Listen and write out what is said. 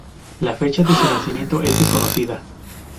La fecha de su nacimiento es desconocida.